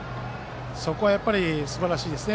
そこはやっぱりすばらしいですね。